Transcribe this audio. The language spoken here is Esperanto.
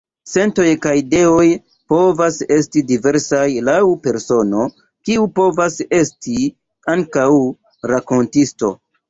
Sentoj kaj ideoj povas esti diversaj, laŭ la persono, kiu povas esti ankaŭ rakontisto.